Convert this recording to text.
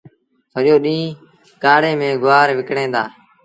سڄو ڏيݩهݩ ڪآڙي ميݩ گُوآر وڪڻيٚن دآ